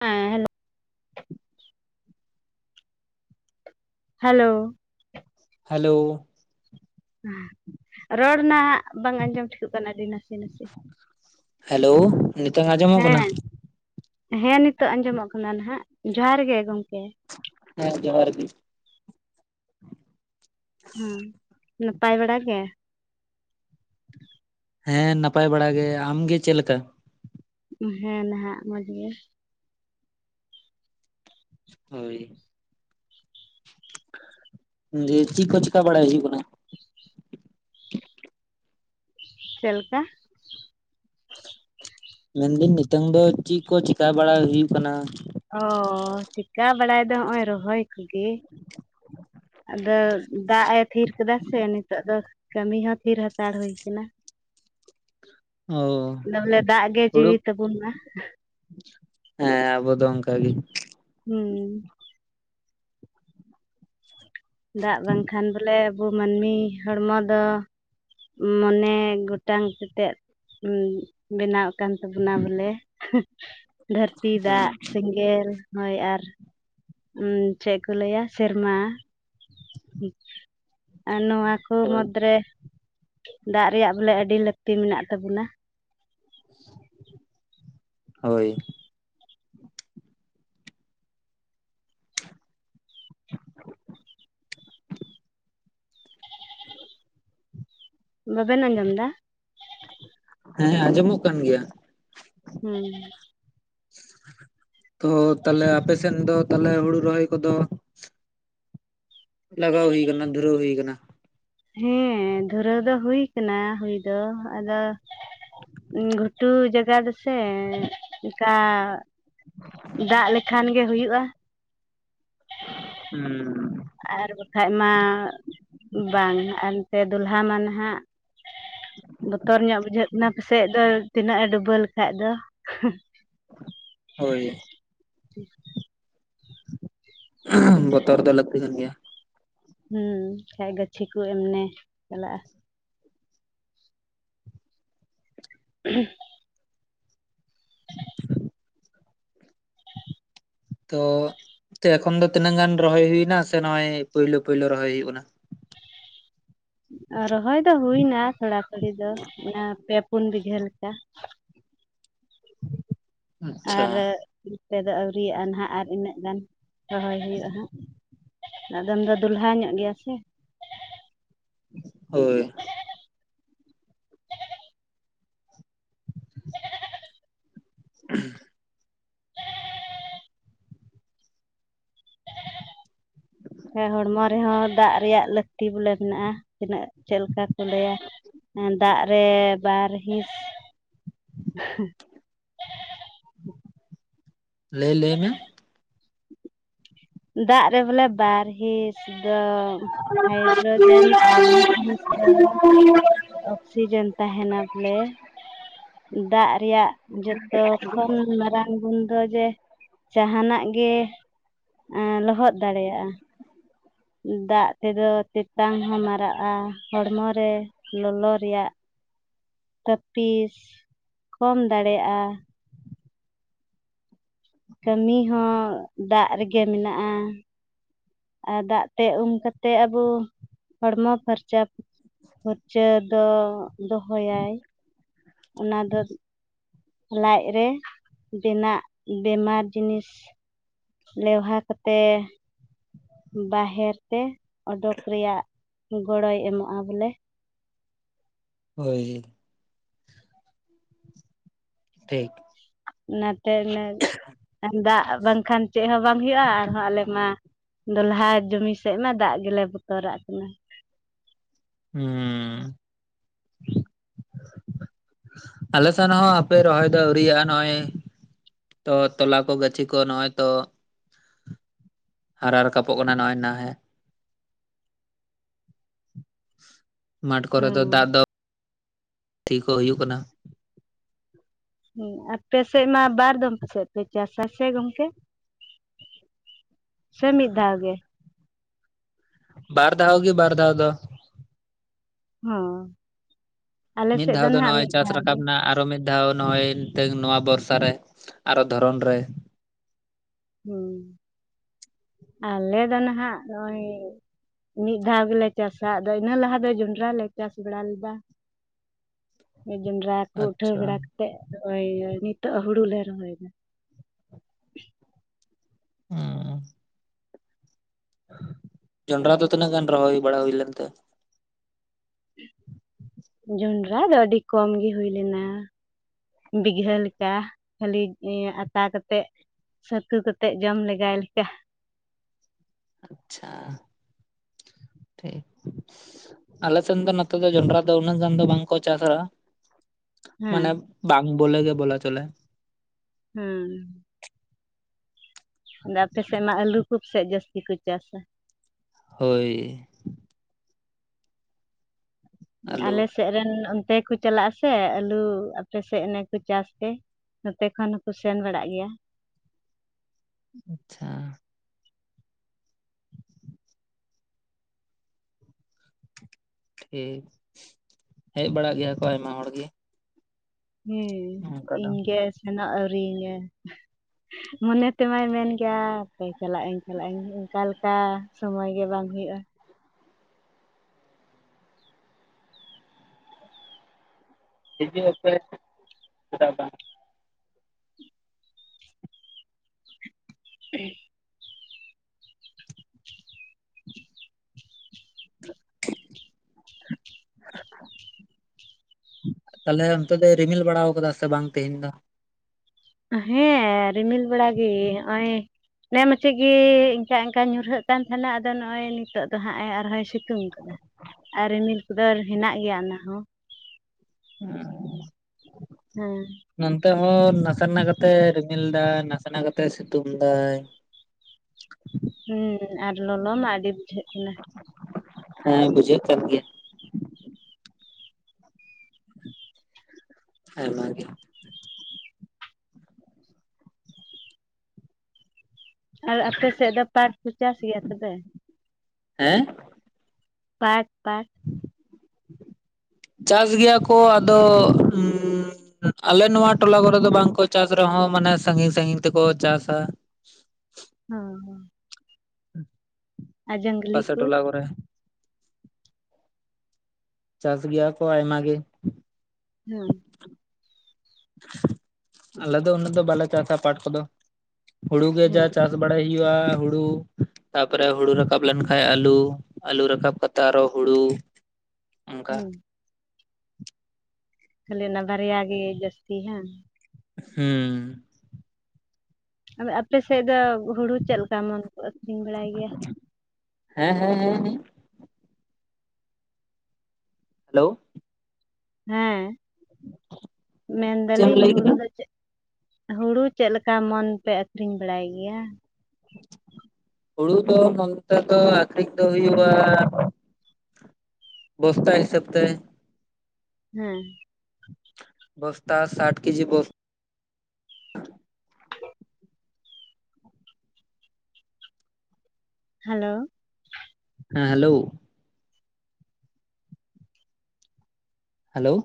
ᱦᱮᱸ hello. Hello. Hello. ᱦᱚᱸ ᱨᱚᱲ ᱱᱟᱜ ᱵᱟᱝ ᱟᱸᱡᱚᱢ ᱴᱷᱤᱠᱩᱜ ᱠᱟᱱᱟ ᱟᱹᱰᱤ ᱱᱟᱥᱤ ᱱᱟᱥᱤ᱾ ᱦᱮᱞᱳ ᱱᱤᱛᱚᱝ ᱟᱸᱡᱚᱢᱚᱜ ᱦᱮᱸ ᱠᱟᱱᱟ᱾ ᱦᱮᱸ ᱱᱤᱛᱚᱜ ᱟᱸᱡᱚᱢᱚᱜ ᱠᱟᱱᱟ ᱱᱟᱦᱟᱸᱜ ᱡᱚᱦᱟᱨ ᱜᱮ ᱜᱚᱝᱠᱮ᱾ ᱦᱚᱸ ᱡᱚᱦᱟᱨ ᱜᱤ᱾ ᱦᱩᱸ ᱱᱟᱯᱟᱭ ᱵᱟᱲᱟ ᱜᱮ᱾ ᱦᱮᱸ ᱱᱟᱯᱟᱭ ᱵᱟᱲᱟ ᱜᱮ ᱟᱢᱜᱮ ᱪᱮᱜ ᱞᱮᱠᱟ? ᱩᱸ ᱦᱮᱸ ᱱᱟᱦᱟᱜ ᱢᱚᱡᱽ ᱜᱮ᱾ ᱦᱳᱭ᱾ ᱫᱷᱤ ᱪᱤᱜ ᱠᱚ ᱪᱮᱠᱟ ᱵᱟᱲᱟᱭ ᱦᱩᱭᱩᱜ ᱠᱟᱱᱟ? ᱪᱮᱫ ᱞᱮᱠᱟ? ᱢᱮᱱ ᱫᱟᱹᱧ ᱱᱤᱛᱚᱝ ᱫᱚ ᱪᱤᱜ ᱠᱚ ᱪᱮᱠᱟ ᱵᱟᱲᱟ ᱦᱩᱭᱩᱜ ᱠᱟᱱᱟ? ᱚ ᱪᱤᱠᱟ ᱵᱟᱲᱟᱭ ᱫᱚ ᱦᱚᱸᱜ-ᱚᱭ ᱨᱚᱦᱚᱭ ᱠᱚᱜᱮ᱾ ᱟᱫᱚ ᱫᱟᱜ ᱮ ᱛᱷᱤᱨ ᱠᱟᱫᱟ ᱥᱮ ᱱᱤᱛᱚᱜ ᱫᱚᱼᱼ ᱠᱟᱹᱢᱤ ᱦᱚᱸ ᱛᱷᱤᱨ ᱦᱟᱛᱟᱲ ᱦᱩᱭ ᱠᱟᱱᱟ᱾ ᱚᱣ᱾ ᱫᱚ ᱵᱚᱞᱮ ᱫᱟᱜ ᱜᱮ ᱡᱤᱣᱤ ᱛᱟᱹᱵᱩᱱ ᱢᱟ᱾ ᱦᱮᱸ ᱟᱵᱚ ᱫᱚ ᱚᱱᱠᱟ ᱜᱮ᱾ ᱦᱩᱸ᱾ ᱫᱟᱜ ᱵᱟᱝ ᱠᱷᱟᱱ ᱵᱚᱞᱮ ᱟᱹᱵᱩ ᱢᱟᱹᱱᱢᱤ ᱦᱚᱲᱢᱚ ᱫᱚ ᱩᱢ ᱢᱚᱱᱮ ᱜᱚᱴᱟᱝ ᱛᱮᱛᱮᱫ ᱩᱸ ᱵᱮᱱᱟᱣ ᱠᱟᱱ ᱛᱟᱹᱵᱩᱱᱟ ᱵᱚᱞᱮ᱾ ᱦᱩᱸᱜ ᱫᱷᱟᱹᱨᱛᱤ ᱫᱟᱜ ᱥᱮᱜ ᱜᱮᱞ ᱦᱳᱭ ᱟᱨ ᱪᱮᱫ ᱠᱚ ᱞᱟᱹᱭᱟ ᱥᱮᱨᱢᱟ, ᱩᱸ ᱟᱨ ᱱᱚᱣᱟ ᱠᱚ ᱦᱳᱭ ᱢᱩᱫᱽ ᱨᱮᱼᱼ ᱫᱟᱜ ᱨᱮᱭᱟᱜ ᱵᱚᱞᱮ ᱟᱹᱰᱤ ᱞᱟᱹᱠᱛᱤ ᱢᱮᱱᱟᱜ ᱛᱟᱹᱵᱩᱱᱟ᱾ ᱦᱳᱭ᱾ ᱵᱟᱵᱮᱱ ᱟᱧᱡᱚᱢ ᱫᱟ? ᱦᱮᱸ ᱟᱸᱡᱚᱢᱚᱜ ᱠᱟᱱ ᱜᱮᱭᱟ᱾ ᱦᱩᱸ᱾ ᱛᱚ ᱛᱟᱞᱦᱮ ᱟᱯᱮ ᱥᱮᱱ ᱫᱚ ᱛᱟᱦᱚᱞᱮ ᱦᱩᱲᱩ ᱨᱚᱦᱚᱭ ᱠᱚᱫᱚ ᱞᱟᱜᱟᱣ ᱦᱩᱭ ᱠᱟᱱᱟ ᱫᱷᱩᱨᱟᱹᱣ ᱦᱩᱭ ᱠᱟᱱᱟ᱾ ᱦᱮᱸ ᱫᱷᱩᱨᱟᱹᱣ ᱫᱚ ᱦᱩᱭ ᱠᱟᱱᱟ ᱦᱩᱭ ᱫᱚ ᱟᱫᱚᱼᱼ ᱜᱷᱩᱴᱩ ᱡᱟᱭᱜᱟ ᱫᱚᱥᱮ ᱚᱱᱠᱟ ᱫᱟᱜ ᱞᱮᱠᱷᱟᱱ ᱜᱮ ᱦᱩᱭᱩᱜᱼᱟ ᱦᱩᱸ ᱟᱨ ᱵᱟᱠᱷᱟᱡ ᱢᱟ ᱵᱟᱝ ᱟᱨ ᱮᱱᱛᱮ ᱫᱩᱞᱦᱟ ᱢᱟ ᱱᱟᱦᱟᱜ ᱵᱚᱛᱚᱨ ᱧᱚᱜ ᱵᱩᱡᱷᱟᱹᱜ ᱠᱟᱱᱟ ᱯᱟᱥᱮᱡ ᱫᱚ ᱛᱤᱱᱟᱹᱜ ᱮ ᱰᱩᱵᱟᱹ ᱞᱮᱠᱟᱡ ᱫᱚ ᱦᱳᱭ᱾ ᱴᱷᱤᱠ, ᱵᱚᱛᱚᱨ ᱫᱚ ᱞᱟᱹᱠᱛᱤ ᱠᱟᱱ ᱜᱮᱭᱟ᱾ ᱦᱩᱸ ᱟᱠᱷᱟᱡ ᱜᱟᱹᱪᱷᱤ ᱠᱚ ᱮᱢᱱᱮ ᱪᱟᱞᱟᱜᱼᱟ᱾ ᱦᱮᱸ ᱛᱚ ᱮᱠᱷᱚᱱ ᱫᱚ ᱛᱤᱱᱟᱹᱜ ᱜᱟᱱ ᱨᱚᱦᱚᱭ ᱦᱩᱭᱮᱱᱟ ᱥᱮ ᱱᱚᱜ-ᱚᱭ ᱯᱳᱞᱞᱳ ᱯᱳᱭᱞᱳ ᱨᱚᱦᱚᱭ ᱦᱩᱭᱩᱜ ᱠᱟᱱᱟ ᱨᱚᱦᱚᱭ ᱫᱚ ᱦᱩᱭ ᱮᱱᱟ ᱛᱷᱳᱲᱟ ᱛᱷᱳᱲᱤ ᱫᱚ ᱯᱮ ᱯᱳᱱ ᱵᱤᱜᱷᱟᱹ ᱞᱮᱠᱟ ᱟᱪᱪᱷᱟ ᱟᱨ ᱱᱚᱛᱮ ᱫᱚ ᱟᱹᱣᱨᱤᱭᱟᱜᱼᱟ ᱱᱟᱦᱟᱜ ᱟᱨ ᱤᱱᱟᱹᱜ ᱜᱟᱱ ᱨᱚᱦᱚᱭ ᱦᱩᱭᱩᱜᱼᱟ ᱦᱟᱸᱜ ᱟᱫᱚᱢ ᱫᱚ ᱫᱚᱞᱦᱟ ᱧᱚᱜ ᱜᱮᱭᱟ ᱥᱮ ᱦᱳᱭ ᱦᱩᱸ ᱦᱚᱲᱢᱚ ᱨᱮᱦᱚᱸ ᱫᱟᱜ ᱨᱮᱭᱟᱜ ᱞᱟᱹᱠᱛᱤ ᱵᱚᱞᱮ ᱢᱮᱱᱟᱜᱼᱟ ᱛᱤᱱᱟᱹᱜ ᱪᱮᱫ ᱞᱮᱠᱟ ᱠᱚ ᱞᱟᱹᱭᱟ ᱫᱟᱜ ᱨᱮ ᱵᱟᱨ ᱦᱤᱸᱥ ᱞᱟᱹᱭ ᱞᱟᱹᱭ ᱢᱮ ᱫᱟᱜ ᱨᱮ ᱵᱚᱞᱮ ᱵᱟᱨ ᱦᱤᱸᱥ ᱫᱚ ᱦᱟᱭᱰᱨᱚᱡᱮᱱ ᱟᱨ ᱢᱤᱫ ᱦᱤᱸᱥ ᱫᱚ ᱚᱠᱥᱤᱡᱚᱱ ᱛᱟᱦᱮᱸᱱᱟ ᱵᱚᱞᱮ ᱫᱟᱜ ᱨᱮᱭᱟᱜ ᱡᱚᱛᱚ ᱠᱷᱚᱱ ᱢᱟᱨᱟᱝ ᱜᱩᱱ ᱫᱚ ᱡᱮ ᱡᱟᱦᱟᱱᱟᱜ ᱜᱮ ᱞᱚᱦᱚᱫ ᱫᱟᱲᱮᱭᱟᱜᱼᱟ ᱫᱟᱜ ᱛᱮᱫᱚ ᱛᱮᱛᱟᱝ ᱦᱚᱸ ᱢᱟᱨᱟᱜᱼᱟ ᱦᱚᱲᱢᱚ ᱨᱮ ᱞᱚᱞᱚ ᱨᱮᱭᱟᱜ ᱛᱟᱹᱯᱤᱥ ᱠᱚᱢ ᱫᱟᱲᱮᱭᱟᱜᱼᱟ ᱠᱟᱹᱢᱤ ᱦᱚᱸ ᱫᱟᱜ ᱨᱮᱜᱮ ᱢᱮᱱᱟᱜᱼᱟ ᱟᱨ ᱫᱟᱜ ᱛᱮ ᱩᱢ ᱠᱟᱛᱮᱜ ᱟᱵᱚ ᱦᱚᱲᱢᱚ ᱯᱷᱟᱨᱪᱟ ᱯᱷᱩᱨᱪᱟᱹ ᱫᱚ ᱫᱚᱦᱚᱭᱟᱭ ᱚᱱᱟ ᱫᱚ ᱞᱟᱡ ᱨᱮ ᱵᱮᱱᱟᱜ ᱵᱮᱢᱟᱨ ᱡᱤᱱᱤᱥ ᱞᱮᱣᱦᱟ ᱠᱟᱛᱮ ᱦᱮ ᱵᱟᱦᱮᱨ ᱛᱮ ᱚᱰᱳᱠ ᱨᱮᱭᱟᱜ ᱜᱚᱲᱚᱭ ᱮᱢᱚᱜᱼᱟ ᱵᱚᱞᱮ ᱦᱳᱭ ᱴᱷᱤᱠ ᱱᱟᱛᱮ ᱟᱞᱮ ᱫᱟᱜ ᱵᱟᱝᱠᱷᱟᱱ ᱪᱮᱫ ᱦᱚᱸ ᱵᱟᱝ ᱦᱩᱭᱩᱜᱼᱟ ᱟᱨᱦᱚᱸ ᱟᱞᱮ ᱢᱟ ᱫᱚᱞᱦᱟ ᱡᱚᱢᱤ ᱥᱮᱫ ᱢᱟ ᱫᱟᱜ ᱜᱮᱞᱮ ᱵᱚᱛᱚᱨᱟᱜ ᱠᱟᱱᱟ ᱦᱮᱸ ᱟᱞᱮᱥᱮᱱ ᱦᱚᱸ ᱦᱟᱯᱮ ᱨᱚᱦᱚᱭ ᱫᱚ ᱟᱹᱣᱨᱤᱭᱟᱜᱼᱟ ᱱᱚᱜᱼᱚᱭ ᱛᱚ ᱛᱚᱞᱟ ᱠᱚ ᱜᱟᱹᱪᱷᱤ ᱠᱚ ᱱᱚᱜᱼᱚᱭ ᱛᱚ ᱦᱟᱨᱟ ᱨᱟᱠᱟᱵᱚᱜ ᱠᱟᱱᱟ ᱱᱚᱜᱼᱚᱭ ᱱᱟ ᱦᱮᱸ [inaudible] ᱢᱟᱴᱷ ᱠᱚᱨᱮ ᱫᱚ ᱦᱮᱸ ᱫᱟᱜ ᱫᱚ ᱛᱤ ᱠᱚ ᱦᱩᱭᱩᱜ ᱠᱟᱱᱟ ᱟᱯᱮ ᱥᱮᱫ ᱢᱟ ᱵᱟᱨ ᱫᱚᱢ ᱥᱮᱫ ᱯᱮ ᱪᱟᱥᱟ ᱥᱮ ᱜᱚᱢᱠᱮ ᱥᱮ ᱢᱤᱫ ᱫᱷᱟᱣ ᱜᱮ ᱵᱟᱨ ᱫᱷᱟᱣ ᱜᱮ ᱵᱟᱨ ᱫᱷᱟᱣ ᱫᱚ ᱦᱚ ᱢᱤᱫ ᱫᱷᱟᱣ ᱫᱚ ᱱᱚᱜᱼᱚᱭ ᱪᱟᱥ ᱫᱷᱟᱣ ᱨᱟᱠᱟᱵ ᱜᱮ ᱮᱱᱟ ᱟᱨᱚ ᱢᱤᱫ ᱫᱷᱟᱣ ᱱᱚᱜᱼᱚᱭ ᱱᱤᱛᱚᱝ ᱱᱚᱣᱟ ᱵᱚᱨᱥᱟ ᱨᱮ ᱟᱨᱚ ᱫᱷᱚᱨᱚᱱ ᱨᱮ ᱦᱮᱸ ᱟᱞᱮ ᱫᱚ ᱱᱟᱦᱟᱜ ᱱᱚᱜᱼᱚᱭ ᱢᱤᱫ ᱫᱷᱟᱣ ᱜᱮᱞᱮ ᱪᱟᱥᱟ ᱟᱫᱚ ᱤᱱᱟᱹ ᱞᱟᱦᱟ ᱫᱚ ᱡᱚᱱᱰᱨᱟ ᱞᱮ ᱪᱟᱥ ᱵᱟᱲᱟ ᱞᱮᱫᱟ᱾ ᱡᱚᱸᱰᱨᱟ ᱠᱚ ᱩᱴᱷᱟᱹᱣ ᱟᱪᱪᱷᱟ ᱵᱟᱲᱟ ᱠᱟᱛᱮᱜ ᱱᱚᱜᱼᱚᱭ ᱱᱤᱛᱳᱜ ᱦᱩᱬᱩ ᱞᱮ ᱨᱚᱦᱚᱭ ᱫᱟ ᱦᱩ ᱡᱚᱱᱰᱨᱟ ᱫᱚ ᱛᱤᱱᱟᱹ ᱜᱟᱱ ᱨᱚᱦᱚᱭ ᱵᱟᱲᱟ ᱦᱩᱭ ᱞᱮᱱᱛᱮ ᱡᱚᱸᱰᱨᱟ ᱫᱚ ᱟᱹᱰᱤ ᱠᱚᱢ ᱜᱮ ᱦᱩᱭ ᱞᱮᱱᱟ᱾ ᱵᱤᱜᱷᱟᱹ ᱞᱮᱠᱟ ᱠᱷᱟᱹᱞᱤ ᱟᱛᱟ ᱠᱟᱛᱮᱫ ᱥᱟᱹᱛᱩ ᱠᱟᱛᱮᱫ ᱡᱚᱢ ᱞᱮᱜᱟᱭ ᱞᱮᱠᱟ ᱟᱪᱪᱷᱟᱻ ᱴᱷᱤᱠ ᱟᱞᱮ ᱥᱮᱱ ᱫᱚ ᱱᱚᱛᱮ ᱫᱚ ᱡᱚᱱᱰᱨᱟ ᱫᱚ ᱩᱱᱟᱹᱜ ᱜᱟᱱ ᱫᱚ ᱵᱟᱝᱠᱚ ᱪᱟᱥᱼᱟ ᱦᱮᱸ ᱢᱟᱱᱮ ᱵᱟᱝ ᱵᱚᱞᱮ ᱜᱮ ᱵᱚᱞᱟ ᱪᱚᱞᱮ ᱾ ᱦᱩᱸ ᱟᱫᱚ ᱟᱯᱮᱥᱮᱫ ᱢᱟ ᱟᱹᱞᱩ ᱠᱚᱯ ᱥᱮᱫ ᱡᱟᱹᱥᱛᱤ ᱠᱚ ᱪᱟᱥᱟ᱾ ᱦᱳᱭ ᱟᱹᱞᱩ᱾ ᱟᱞᱮ ᱥᱮᱫ ᱨᱮᱱ ᱚᱱᱛᱮ ᱠᱚ ᱪᱟᱞᱟᱜ ᱟᱥᱮ ᱟᱞᱩ ᱟᱯᱮᱥᱮᱫ ᱚᱱᱮ ᱠᱚ ᱪᱟᱥ ᱯᱮ ᱱᱚᱛᱮ ᱠᱷᱚᱱ ᱦᱚᱸᱠᱚ ᱥᱮᱱ ᱵᱟᱲᱟᱜ ᱜᱮᱭᱟ ᱟᱪᱪᱷᱟ ᱴᱷᱤᱠ ᱦᱮᱡ ᱵᱟᱲᱟᱜ ᱜᱮᱭᱟ ᱠᱚ ᱟᱭᱢᱟ ᱦᱚᱲ ᱜᱮ ᱦᱮᱸ ᱚᱱᱠᱟ ᱫᱚ ᱤᱧ ᱜᱮ ᱥᱮᱱᱚᱜ ᱟᱭᱨᱤ ᱤᱧᱟ ᱾ ᱢᱚᱱᱮ ᱛᱮᱢᱟᱭ ᱢᱮᱱ ᱜᱮᱭᱟ ᱟ ᱪᱟᱞᱟᱜ ᱟᱹᱧ ᱪᱟᱞᱟᱜ ᱟᱹᱧ ᱚᱱᱠᱟ ᱞᱮᱠᱟ ᱥᱚᱢᱚᱭ ᱜᱮ ᱵᱟᱝ ᱦᱩᱭᱩᱜᱼᱟ ᱦᱤᱡᱩᱜ ᱟᱯᱮ ᱪᱮᱫᱟᱜ ᱵᱟᱝ ᱦᱮᱸ [inaudible] ᱛᱟᱞᱦᱮ ᱚᱱᱛᱮ ᱫᱚ ᱨᱤᱢᱤᱞ ᱵᱟᱲᱟ ᱠᱟᱫᱟ ᱥᱮ ᱵᱟᱝ ᱛᱮᱦᱮᱧ ᱫᱚ ᱦᱮᱸ ᱨᱤᱢᱤᱞ ᱵᱮᱲᱟ ᱜᱮ ᱦᱚᱸᱜᱼᱚᱭ ᱱᱮ ᱢᱟᱪᱮᱫ ᱜᱮ ᱤᱱᱠᱟᱼᱤᱱᱠᱟ ᱧᱩᱨᱦᱟᱹᱜ ᱠᱟᱱ ᱛᱟᱦᱮᱱᱟ ᱟᱫᱚ ᱱᱚᱜᱼᱚᱭ ᱱᱤᱛᱚᱜ ᱫᱚ ᱦᱟᱸᱜ ᱮ ᱟᱨᱦᱚᱸᱭ ᱥᱤᱛᱩᱝ ᱠᱟᱫᱟ ᱟᱨ ᱨᱤᱢᱤᱞ ᱠᱚᱫᱚ ᱦᱮᱱᱟᱜ ᱜᱮᱭᱟ ᱚᱱᱟ ᱦᱚᱸ᱾ ᱦᱮᱸ ᱦᱮᱸ ᱱᱚᱱᱛᱮ ᱦᱚᱸ ᱱᱟᱥᱮᱱᱟᱜ ᱠᱟᱛᱮ ᱨᱤᱢᱤᱞ ᱫᱟᱭ ᱱᱟᱥᱮᱱᱟᱜ ᱠᱟᱛᱮ ᱥᱤᱛᱩᱝ ᱫᱟᱭ ᱾ ᱦᱮᱸ ᱟᱨ ᱞᱚᱞᱚ ᱢᱟ ᱟᱹᱰᱤ ᱵᱩᱡᱷᱟᱹᱜ ᱠᱟᱱᱟ᱾ ᱦᱮᱸ ᱵᱩᱡᱷᱟᱹᱜ ᱠᱟᱱ ᱜᱮᱭᱟ᱾ ᱟᱭᱢᱟ ᱜᱮ ᱟᱨ ᱟᱯᱮ ᱥᱮᱫ ᱫᱚ ᱯᱟᱴ ᱠᱚ ᱪᱟᱥ ᱜᱮᱭᱟ ᱛᱚᱵᱮ? ᱦᱮᱸ᱾ ᱯᱟᱴ ᱯᱟᱴ ᱪᱟᱥ ᱜᱮᱭᱟ ᱠᱚ ᱟᱫᱚ ᱚᱢᱻ ᱟᱞᱮ ᱱᱚᱶᱟ ᱴᱚᱞᱟ ᱠᱚᱨᱮ ᱫᱚ ᱵᱟᱝᱠᱚ ᱪᱟᱥ ᱨᱮᱦᱚᱸ ᱢᱟᱱᱮ ᱥᱟᱜᱤᱧ ᱥᱟᱜᱤᱧ ᱛᱮᱠᱚ ᱪᱟᱥᱟ᱾ ᱦᱩᱸ ᱦᱮᱸ ᱟᱨ ᱡᱟᱝᱞᱤ ᱠᱚ [unintelligible] ᱪᱟᱥ ᱜᱮᱭᱟ ᱠᱚ ᱟᱭᱢᱟᱜ ᱜᱮ। ᱦᱩᱸ ᱟᱞᱮ ᱫᱚ ᱩᱱᱟᱹᱜ ᱫᱚ ᱵᱟᱞᱮ ᱪᱟᱥᱟ ᱯᱟᱴ ᱠᱚᱫᱚ ᱦᱩᱲᱩ ᱜᱮ ᱡᱟ ᱦᱮᱸ ᱪᱟᱥ᱾ ᱵᱟᱲᱟᱭ ᱦᱩᱭᱩᱜᱼᱟ ᱦᱩᱲᱩ ᱛᱟᱯᱚᱨᱮ ᱦᱩᱲᱩ ᱨᱟᱠᱟᱵ ᱞᱮᱱᱠᱷᱟᱡ ᱟᱹᱞᱩ ᱟᱞᱩ ᱨᱟᱠᱟᱵ ᱠᱟ ᱠᱟᱛᱮ ᱟᱨᱚ ᱦᱩᱲᱩ᱾ ᱚᱱᱠᱟ ᱦᱩᱸ ᱠᱷᱟᱹᱞᱤ ᱚᱱᱟ ᱵᱟᱨᱭᱟ ᱜᱮ ᱡᱟᱹᱥᱛᱤ ᱦᱟᱸ। ᱦᱩᱸ ᱟᱫᱚ ᱟᱯᱮ ᱥᱮᱫ ᱫᱚ ᱦᱩᱲᱩ ᱪᱮᱫ ᱞᱮᱠᱟ ᱮᱢᱚᱱ ᱠᱚ ᱟᱹᱠᱷᱨᱤᱧ ᱵᱟᱲᱟᱭ ᱜᱮᱭᱟ᱾ ᱦᱮᱸ ᱦᱮᱸ ᱦᱮᱸ ᱦᱮᱞᱳ ᱦᱮᱸ ᱢᱮᱱ ᱪᱮᱫ ᱮᱢ ᱫᱟᱞᱤᱧ ᱞᱟᱹᱭ ᱦᱩᱲᱩ ᱠᱮᱫᱟ ᱫᱚ ᱪᱮᱫ ᱦᱩᱲᱩ ᱪᱮᱫ ᱞᱮᱠᱟ ᱢᱚᱱ ᱯᱮ ᱟᱠᱷᱨᱤᱧ ᱵᱟᱲᱟᱭ ᱜᱮᱭᱟ᱾ ᱦᱩᱲᱩ ᱫᱚ ᱱᱚᱱᱛᱮ ᱫᱚ ᱟᱠᱷᱨᱤᱧ ᱫᱚ ᱦᱩᱭᱩᱜ-ᱟ᱾ ᱵᱚᱥᱛᱟ ᱦᱤᱥᱟᱹᱵ ᱛᱮ ᱦᱮᱸ ᱵᱚᱥᱛᱟ ᱥᱟᱴ ᱠᱮᱡᱤ ᱵᱚᱥ ᱦᱮᱞᱳ ᱦᱮᱸ ᱦᱮᱞᱳ ᱦᱮᱞᱳ